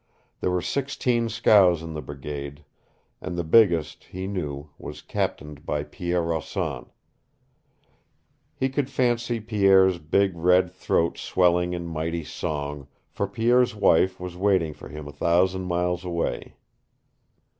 There were sixteen scows in the brigade, and the biggest, he knew, was captained by Pierre Rossand. He could fancy Pierre's big red throat swelling in mighty song, for Pierre's wife was waiting for him a thousand miles away.